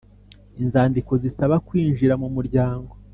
Inzandiko zisaba kwinjira m umuryango